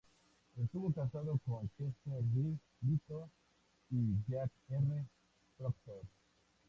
Estuvo casada con Chester De Vito; y, Jack R. Proctor.